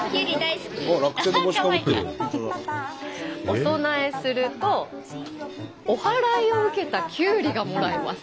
お供えするとお祓いを受けたきゅうりがもらえます。